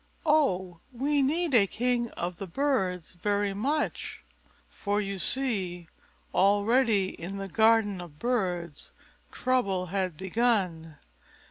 Oh, we need a king of the birds very much!" For you see, already in the Garden of Birds trouble had begun.